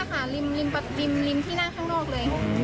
ริมที่นั่งข้างนอกเลย